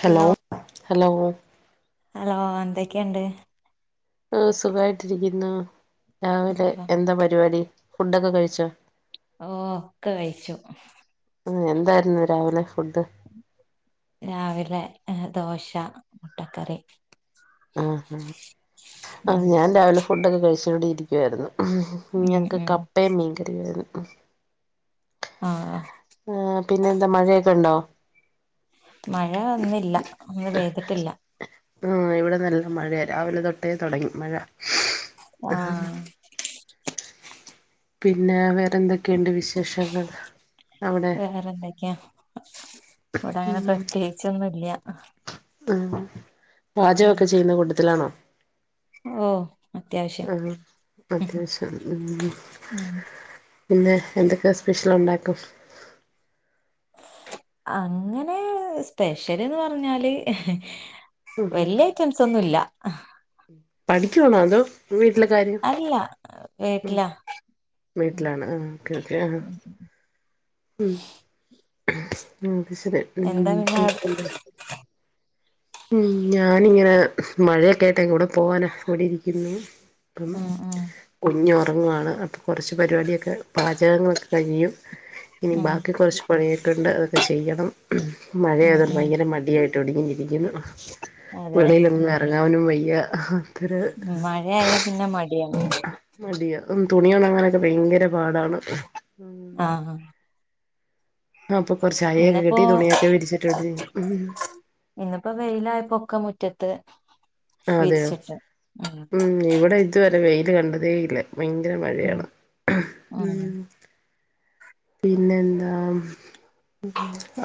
Hello hello hello എന്തൊക്കെയിണ്ട് ആ സുഖായിട്ടിരിക്കുന്നു രാവിലെ എന്താ പരിപാടി ഫുഡ് ഒക്കെ കഴി ച്ഛ ഓ ഒക്കെ കഴിച്ചു ആ എന്തായിരുന്നു രാവിലെ ഫുഡ് രാവിലെ ദോശ മുട്ടക്കറി ആ ആ ഉം ഞാൻ രാവിലെ ഫുഡൊക്കെ കഴിച്ചോണ്ടരി ഒക്കെയായിരുന്നു ഉം ഞങ്ങൾക്ക് ഉം കപ്പയയും മീൻകറിയും ആയിരുന്നു ആ ആ പിന്നെ എന്താ മഴയൊക്കെ ഉണ്ടോ മഴ ഇന്നില്ല ഇന്ന് പെയ്തിട്ടില്ല ഉം ഇവിടെ നല്ല മഴയാ രാവിലെ തൊട്ടേ തുടങ്ങി മഴ ആ പിന്നെ വേറെന്തൊ വേറെന്തൊക്കെയാ ഇവിടെ അങ്ങനെ പ്രത്യേകിച്ചൊന്നുംല്ല ആ പാചകൊക്കെ ചെയ്യുന്ന കൂട്ടത്തിലാണോ ഓ അത്യാവശ്യം ആഹ് അത്യാവശ്യം ഉം പിന്നെ എന്തൊക്കെ സ്പെഷ്യൽ ഉണ്ടാക്കും അങ്ങനെ സ്പെഷ്യല് എന്ന് പറഞ്ഞാല് വലിയ ഐറ്റംസ് ഒന്നുമില്ല പഠിക്കയാണോ അതോ വീട്ടിലെ കാര്യം അല്ല വീട്ടിലാ വീട്ടിലാണ് ആ ഓക്കെ ഓക്കെ ആ ഉം അത്ശരി എന്താ പിന്നെ പിന്നെന്ത മഴയൊക്കെയായിട്ട് എവിടെ പോവാനാ ഇവിടെ ഇരിക്കുന്നു അപ്പം ഉം ഉം കുഞ്ഞു ഉറങ്ങുവാണ് അപ്പം കുറച്ച് പരിപാടിയൊക്കെ പാചകങ്ങളൊ കയ്യും ഇനി ഉം ബാക്കി കുറച്ച് പണിയൊക്കെണ്ട് ചെയ്യണം ഉം മഴയതൽ ഉം ഭയങ്കര മടിയായി ട [unintelligible] നിക്കുന്നു അതെ വെളിയിലന്നും ഇറങ്ങാനും വ യാ അഹ് മഴയായ പിന്നെ മടിയാ ഉ തുണി ഒണാങ്ങാനൊക്കെഭയങ്കര പാടാണ് ആഹ് ആ ആ അപ്പൊ കൊറിച്ച്അയെക്കെ കെട്ടി തുണിയൊക്കെ വിരിച്ചിട്ട് എവി ഒക്ക മുറ്റത്ത് അതെയോ ഉം ഇവിടെ ഇതുവരെ വെ ത് കണ്ടതേ ഇല്ല ഭയങ്കര ഉം മഴയാണ് ഉം ആ ഉം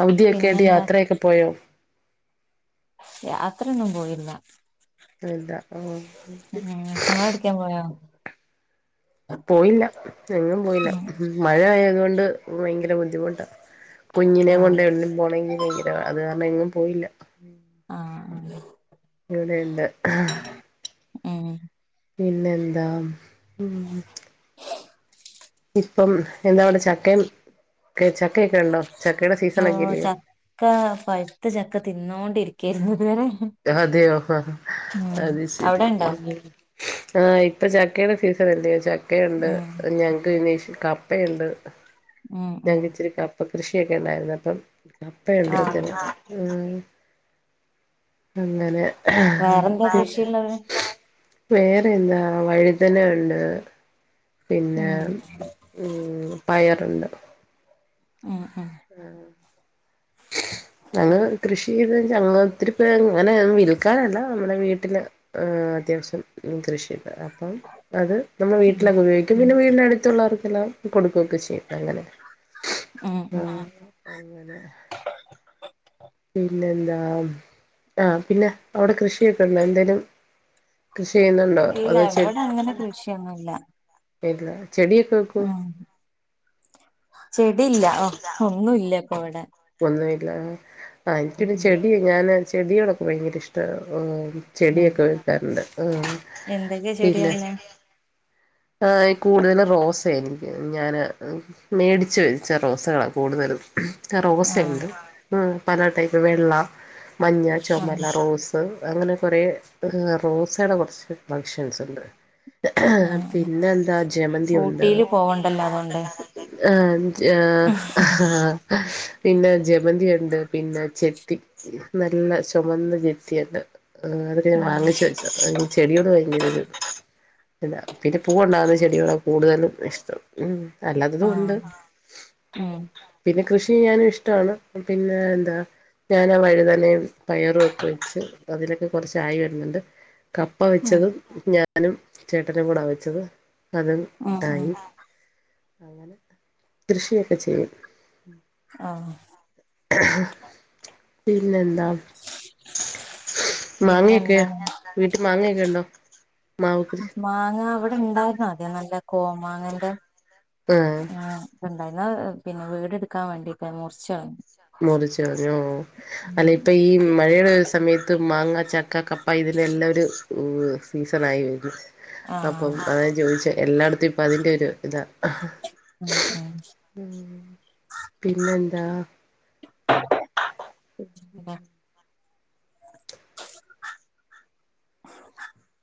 അവധിയൊക്കെ യിട്ട് പിന്നെന്താ യാത്രയൊക്കെ പോയോ യാത്രന്നും പോയില്ല അതാ ആ ഉം നിങ്ങളെവിടേക്കേലും പോയോ പോയില്ല എങ്ങും പോയില്ല ഉം മഴ ആയതോണ്ട് ഭയങ്കര ബുദ്ധിമുട്ടാ കുഞ്ഞിനെ ആഹ് കൊണ്ട് എവിടേലും പോണെ അത് കാരണം എങ്ങും പോയില്ല ആ അത് ഇവിടെണ്ട് ഉം പിന്നെന്താ ഉം ഇപ്പം എന്താവിടെ ചക്കയൊക്കെ ഉണ്ടോ? ചക്കയുടെ ഓ സീസണൊക്കെ ഇല്ലയോ പഴുത്ത ചക്ക തിന്നോണ്ടിരിക്കുവായിരുന്നു അതെയോ ഉം അത് ശരി അവിടെ ഇണ്ടോ ആഹ ഇപ്പൊ ചക്കയുടെ സീസ് അത് എന്തേച്ചാല് എന്തെക്കെണ്ട് ഉം ഞങ്ങക്ക് അന്വോഷി- കപ്പയുണ്ട് ഉം ഞാൻ ഉം ഇച്ചിരിക്ക കപ്പ- കൃഷിയൊക്കെ ഉണ്ടായിരുന്നു അപ്പം കപ്പ എവിടെത്ത ആഹ് അങ്ങനെ വേറെന്താ പിന്നെ കൃഷിയുള്ളത് വേറെ എന്താ വഴുതന ഉണ്ട്- പിന്നെ ഉം പയർ ഉണ്ട് [inaudible] ആ ആ ഞങ്ങള് കൃഷി ചെയ്ത്, ഒത്തിരി പേ ഇങ്ങനെ വിൽക്കാനല്ല നമ്മുടെ വീട്ടില് അത്യാവശ്യം കൃഷി അപ്പം അത് നമ്മൾ ഉം വീട്ടിലൊക്കെ ഉപയോഗിക്കും പിന്നെ വീടിന അടുത്തുള്ളവർക്ക് ഇതെല്ലാം കൊടുക്കുകയൊക്കെ ചെയ്യും അങ്ങനെ [inaudible] ഉം ഉം ആഹ് ഇല്ല ഇല്ല ആ പിന്നെ അവിടെ കൃഷിയൊക്കെഉണ്ടോ എന്തേലും കൃഷി ചെയ്യുന്നുണ്ടോ ഇല്ല ഇവിടെ അങ്ങനെ കൃഷിയൊന്നുല്ല [unintelligible] ഇല്ല ചെടിയൊക്കെ വെക്കുവോ ചെടില്ല ഒന്നുംല്ലപ്പോവിട അല്ല എനിക്ക്കോരു ചെടിയ ഞാൻ ചെടികളൊക്കെ ഭയങ്കര ഇഷ്ട്ടമായിരുന്നു ഉം ചെടിയൊക്കെ വെക്കാറുണ്ട് ആഹ എന്തൊക്കെ പിന്നെ ചെടിയല്ലേ കൂടുതലും റോസയ എനിക്ക് ഞാന് മേടിച്ച വച്ച റോസകളാണ് കൂടുതലും ആഹ് റോസയുണ്ട് പല ടൈപ്പ് വെള്ള മഞ്ഞ ചുമന്ന ആഹ് റോസ് അങ്ങനെ കുറേ റോസയുടെ കുറച്ച് ഫങ്ഷൻസ് ഇണ്ട് ആ പിന്നെ എന്താ ജമന്തി ഉണ്ട് പോവണ്ടല്ലോ അതുകൊണ്ട് ആ പിന്നെ ജമന്തി ഉണ്ട് പിന്നെ ചെത്തി നല്ല ചുമന്ന ചെത്തിയണ്ട് ആ അതൊക്കെ ഞാൻ ഉം വാങ്ങിച്ച വെച്ച ചെടിയോട് ഭയങ്കര ഒരു ഇല്ല പിന്നെ പൂ ഉണ്ടാവുന്ന ചെടികളെ കൂടുതലും ഇഷ്ടം ഉം അല്ലാതും ആഹ് ഉണ്ട് ഉം പിന്നെ കൃഷി ഞാനും ഇഷ്ടമാണ് പിന്നെ എന്താ ഞൻ വഴുതന പയറുമൊക്കെ വെച്ച് അതിലൊക്കെ കുറച്ചായി വരുന്നുണ്ട് കപ്പ ഉം വെച്ചത് ഞ ഞാനും ചേട്ട ട്ടനും കൂടാ വെച്ചത് അതെൻ ഉം ഉം ആയി കൃഷിയൊക്കെ ചെയ്യും ആ പിന്നെ പിന്നെ മാങ്ങൊക്കെ എന്താണ് വീട്ടിൽ മാങ്ങൊക്കെ ഉണ്ടോ മാവ് കൃഷി മാങ്ങ ഉണ്ടായിരുന്നുതെ നല്ല കോമാങ്ങാ ന്റെ ആ ണ്ടായി പിന്നെ വീടെടുക്കാൻ വേണ്ടിയിട്ട് മുറിച്ചൾ മുറിച്ച് കളഞ്ഞോ അല്ല ഇപ്പൊ ഈ മഴയുടെ സമയത്ത് മാങ്ങ ചക്ക ക്കൊ - അപ്പ ഇതിന്റെ എല്ലാം ഒരു സീസൺ ആയി വരും അപ്പം ആഹ് അത ചോദിച്ച എല്ലായിടത്തും ഇപ്പ അതിന്റെ ഒരു ഇതാ ഉം ഉം പിന്നെ എന്താ [inaudible]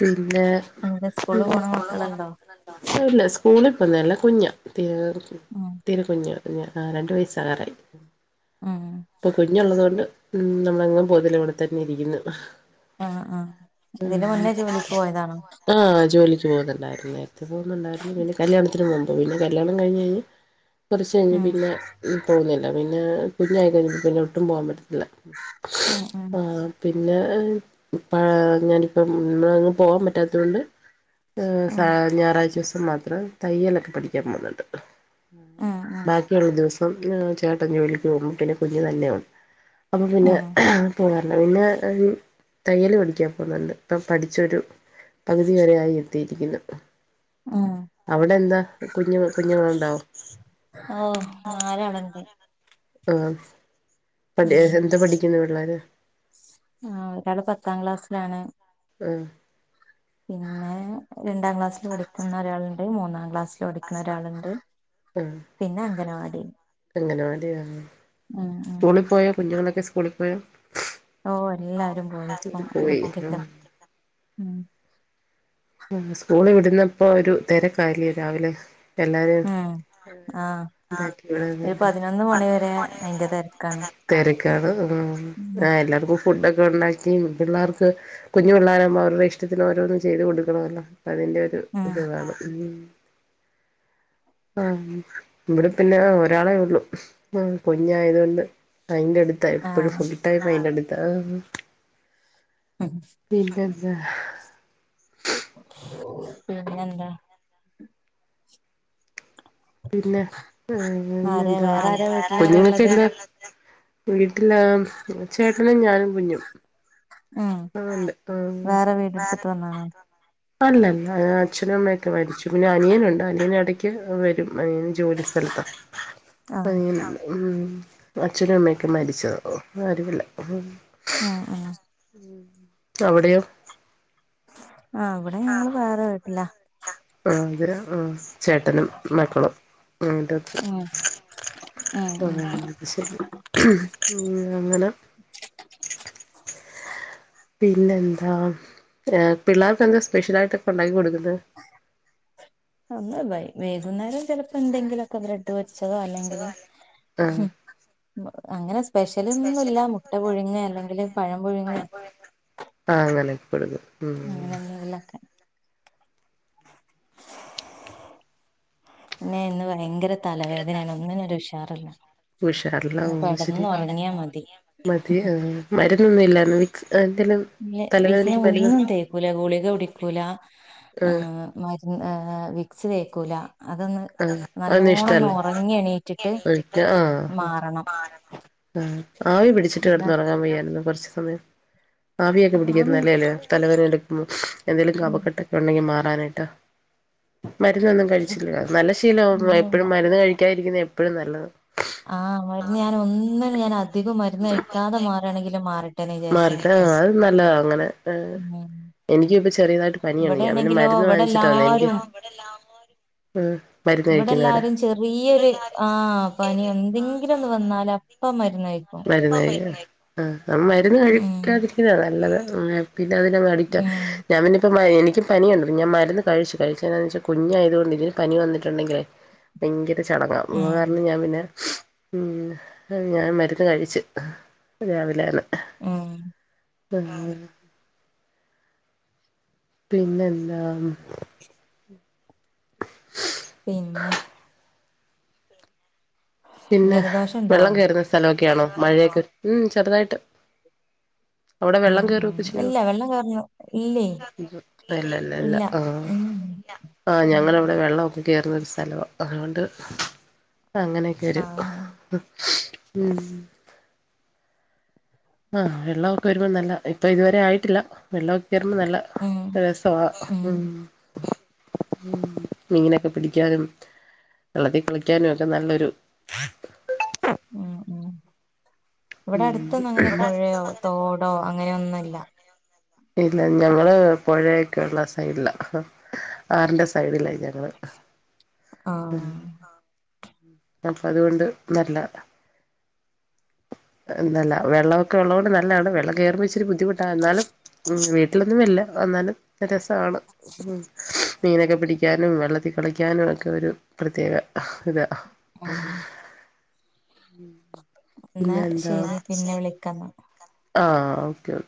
പിന്നെ എന്താ സ്കൂളിൽ പോണ മക്കളുണ്ടോ [unintelligible] ല്ല സ്കൂളിൽ ഇ പോന്നല്ല കുഞ്ഞ ഉം തീരെ കുഞ്ഞാ ആ രണ്ടു വയസാകറായി ഉം ഇപ്പൊ കുഞ്ഞുള്ളത് കൊണ്ട് ഉം നമ്മളങ്ങങ് പൊന്നില്ലേ ഇവിടെ തന്നെ ഇരിക്കുന്നു ആ ആ ഇതിന് മുന്നേ ജോലിക്ക് പോയതാണോ ആ ജോലിക്ക് പോകുന്നുണ്ടായിരുന്നു നേരത്തെ പോകുന്നുണ്ടായിരുന്നു പിന്നെ കല്യാണത്തിന് മുമ്പ് പിന്നെ- കല്യാണം കഴിഞ്ഞ് കഴിഞ്ഞ് - കുറച്ച് കഴിഞ്ഞ് ഉം പിന്നെ മ്മ് പോന്നില്ല- പിന്നെ കുഞ്ഞയികയിഞ്ഞപ്പേൾ പിന്നെ ഒട്ടും പോകവാൻ പറ്റ- ഉം ഉം ആ പിന്നെ പിന്നെ ഇപ്പ ഞാനിപ്പം- നമ്മ അങ്ങ് പോവാൻ പറ്റാത്ത കൊണ്ട്- ഉം ഞായറാഴ്ചിവസം മതി- തയ്യലൊക്കെ പഠിക്കാൻ പോകുന്നുണ്ട് ഉം ബക്കിയുള്ള ദിവസം ഇപ്പം ചേട്ടൻ ജോലിക്ക്പോകുമ്പോൾപിന്നെ കുഞ്ഞ് തന്നെയാകും അപ്പോൾ ഉം പിന്നെ ഉം പോ- പിന്നെ തയ്യല് പഠിക്കാൻ പോകുന്നുണ്ട് ഇപ്പം പഠിച്ചൊരു പകുതി വരെ ആയി എത്തിയിരിക്കുന്നു ഉം അവിടെ എന്താ കുഞ്ഞു കുഞ്ഞുങ്ങള് ഉണ്ടാവും ഓ നാലാളുണ്ട് ആ പഠ ഉം എന്താ പഠിക്കുന്ന പിള്ളരെ ആ ഒരാള് പത്താം ക്ലാസ്സിലാണ്- ആ പിന്നെ രണ്ടാം ക്ലാസ്സിൽ പഠിക്കുന്ന ഒരാൾ മൂന്നാംക്ലാസ്സ്‌ ഓടിക്കുന്ന ഒരാളുണ്ട് പിന്നെ അഗ നവാടി അങ്ങനവാടിയ ഉം ഉം സ്കൂളിൽ പോയാ കുഞ്ഞുങ്ങളൊക്കെ- സ്കുളിപ്പോയ ഓ എല്ലാരും പോയിപ്പോ പോയി ഒറ്റക്ക ഉ ആ സ്കൂള് ഇടുന്നപ്പോൊ ഒരു തിരക്കാലി രാവിലെ എല്ലാരും ഉം ആ ഒരു പതിനൊന്ന് മണി വരെ അയിന്റെ തിരക്കാണ് തിരക്കാണ് ഉം ആ എല്ലാർക്കും ഫുഡക്കെ ഉണ്ടാക്കി പിള്ളേർക്ക് കുഞ്ഞു പിള്ളാരം അവരുടെ ഇഷ്ടത്തിന് ഓരോന്നും ചെയ്ത് കൊടു- ണമല്ലേ അതിന്റെ ഒരു ഉം ഇതുകാണു മ്മ് ആ ഇവിടെ പിന്നെ ഒരാളേ ഉള്ളു ആ കുഞ്ഞയത് കൊണ്ട് അതിന്റെ അടുത്ത് ആ എപ്പോഴും ഫുൾ ടൈം അതിന്റെറടുത്ത് [inaudible] [inaudible] [inaudible] [unintelligible] [unintelligible] പിന്നെ എന്താ [inaudible] ആരെ വേറെ ആരാ വീട്ടിലാരാ ഉള്ളത് [unintelligible] ഞാനും കുഞ്ഞു ഉം വേറെ വീട് എടുത്തിട്ട് വന്ന അല്ലല്ല അച്ഛനും അമ്മയൊക്കെ മരിച്ചു പിന്നെ അനിയനുണ്ട് അനിയന് ഇടയ്ക്ക് വരും അനിയ.. ജോലി സ്ഥലത്ത ആ അനിയൻ [unintelligible] അച്ഛനും അമ്മയൊക്കെ മരിച്ചോ ഓ ആരുമില്ല ഉം ഉം അവിടെയോ ആ ഇവിടെ ഞങ്ങള്‌ വേറെ വീട്ടിലാ [unintelligible] അ ചേട്ടനും മക്കളും ഉം ഉം ഉം [unintelligible] [inaudible] അങ്ങനെ പിന്നെ എന്താ എ പിള്ളേർക്കെന്ത സ്പെഷ്യലായിട്ടൊക്കെ ഉണ്ടാക്കി കൊടുക്കുന്നു [unintelligible] വൈകുന്നേരം ചിലപ്പോ എന്തെങ്കിലുവൊക്കെ ബ്രെഡ് [unintelligible] അല്ലെങ്കില് അങ്ങനെ സ്.. പഴം പുഴുങ്ങേ ആ അങ്ങനെ [inaudible] അങ്ങനൊന്നും അല്ലക്ക പിന്നെ ഇന്ന് ഭയങ്കര തലവേദനയാണ് ഒന്നിനൊരു ഉഷാറില്ല ഉഷാറില്ല ഓ ശരി കെടന്നൊറങ്ങിയാ മതി മതി മരുന്നൊന്നുംല്ലാന്ന് നിക്ക്.. [unintelligible] ഒന്നും തേക്കൂല ഗുളിക കുടിക്കൂല കുടിക്കൂല ആ ആഹ് മരുന്ന് ആ.. വിക്സ് വേക്കൂല ആ അതൊന്നും ഇഷ്ടല്ല എണീറ്റിട്ട് ആ ആ മാറണം ആവി പിടിച്ചിട്ട് അതാ കിടന്ന് ഉറങ്ങാൻ വയ്യായിരുന്നോ കുറച്ച് സമയ ആവിയൊക്കെ പിടിക്കുന്ന ആഹ് നല്ല അല്ലയോ തലവേദന എടു.. ഉം എന്തങ്കിലും ഉം കഫക്കെട്ട് ഉണ്ടെങ്കിൽ മാറും [unintelligible] മരുന്നൊന്നും കഴിച്ചില്ല നല്ല ശീല ഇല്ലില്ല. എപ്പോഴും മരുന്ന് കഴിക്കാൻ രിക്കുന്നത് എപ്പോഴും നല്ലത ആ [unintelligible] ഞാൻ ഒന്ന് ന [unintelligible] അധികം മരുന്ന് കഴിക്കാതെ മാറാണെങ്കിലും മാറിട്ടെന്ന് വിചാരിച്ചു മാറട്ടെ നിൽക്ക അത് നല്ലതാ അങ്ങനെ ആഹ് എനിക്കും ഇപ്പ ചെറിയതായിട്ട് പനിയുണ്ട് ഞാൻ പിന്നെ ഇവിടെയാണെങ്കിലോ മരുന്ന് വാങ്ങിച്ചിട്ടാ വന്നേ എനിക്ക് ഇവിടെല്ലാരും ഉം മരുന്ന് ഇവിടെ കഴിക്കുന്നവരാ എല്ലാരും ചെറിയൊരു ആ പനി എന്തെങ്കിലും ഒന്ന് വന്നാല് അപ്പ മരുന്ന് കഴിക്കും [unintelligible] [inaudible] ആ ആ മരുന്ന് ഉം കഴിക്കാതിരിക്കുന്നതാ നല്ലത് [unintelligible] പിന്നെ അതിന അഡിക്ട് ആ ഉം ഞാൻ പിന്നെ ഇപ്പോം എനിക്ക് പനിയുണ്ട് ഞാൻ മരുന്ന് കഴിച്ചു കഴിച്ചതാെന്ന് വെച്ചാൽ കുഞ്ഞു ആയത്കൊണ്ട് ഇതിന് പനി വന്നിട്ടുണ്ടെങ്കിൽ ഭയങ്കര ചടങ്ങാ അത് ഉം കാരണം ഞാൻ പിന്നെ ഉം ഞാൻ മരുന്ന് കഴിച്ച് രാവിലെയാണ് ഉം [unintelligible] പിന്നെന്താ പിന്നെ പിന്നെ ജലദോഷണ്ടോ? വെള്ളം കയറുന്ന സ്ഥലമൊക്കെ ക്കെ ആണോ മഴയൊക്കെ ഉം ചെറുതായിട്ട് അവിടെ ഉം വെള്ളം ഉം കേറൊക്കെ ചെയ്യോ ഇല്ല വെള്ളം കേറുന്നു ഇല്ലേ ലല്ലല്ല ഇല്ല ഉം ആ ഉം ഞങ്ങളവിടെ വെള്ളൊക്കെ കേറുന്നൊരു സ്ഥലവ അതുകൊണ്ട് അങ്ങ ഒരു ആഹ് ഉം ആ വെള്ളമൊക്കെ വരുമ്പോൾ നല്ല ഇപ്പൊ ഇതുവരെ ആയിട്ടില്ല വെള്ള [unintelligible] നല്ല ഉം രസവാ ഉം മ് മീനൊക്കെ പിടിക്കാനും വെള്ളത്തി കുളിക്കാനും ഒക്കെ നല്ലൊരു ഉം ഉം ഇവിടെ ഉം അടുത്തൊന്ന അങ്ങനെ പുഴയോ തോടോ അങ്ങനെയൊന്നും ഇല്ല ഇല്ല ഞങ്ങള് പുഴയൊക്കെള്ള സൈഡില ആറിന്റെ സൈഡില ഞ ആ അപ്പം അതുകൊണ്ട് നല്ല എന്തല്ല വെള്ളമൊക്കെ ഉള്ളതോണ്ട് നല്ലതാണ് വെള്ള കേറുമ്പോ ഇച്ചിരി ബുദ്ധിമു ട്ടാ എന്നാലും വീ വീട്ടിലൊന്നുമില്ല എന്നാലും രസമാണ് മീനൊക്കെ പിടിക്കാനും വെള്ളത്തിൽ കളിക്കാനും ഒക്കെ ഒരു പ്രത്യേക ഇതാ ആ മ് എന്നാ ശരി പിന്നെ വിളിക്കന്ന ആ ഓക്കേ ഓക്കേ